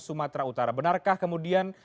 sumatera utara benarkah kemudian